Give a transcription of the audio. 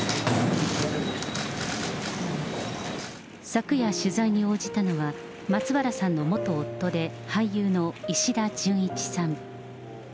昨夜取材に応じたのは、松原さんの元夫で俳優の石田純一さん。